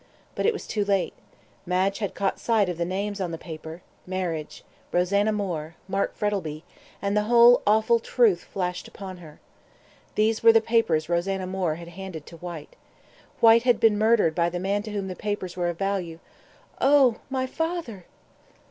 But it was too late; Madge had caught sight of the names on the paper "Marriage Rosanna Moore Mark Frettlby" and the whole awful truth flashed upon her. These were the papers Rosanna Moore had handed to Whyte. Whyte had been murdered by the man to whom the papers were of value "Oh! My father!"